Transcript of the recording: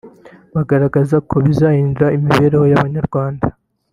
bagaragaza ko bizahindura imibereho y’abanyarwanda